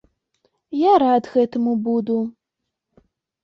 Я рад гэтаму буду.